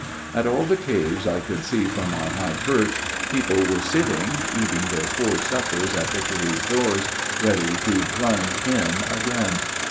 At all the caves I could see from my high perch, people were sitting, eating their poor suppers at the cave doors, ready to plunge in again.